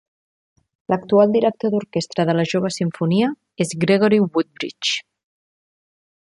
L'actual director d'orquestra de la Jove Simfonia és Gregory Woodbridge.